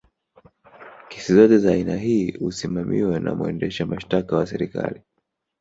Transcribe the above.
kesi zote za aina hii husimamiwa na mwendesha mashtaka wa serikali